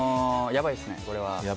やばいですね、これは。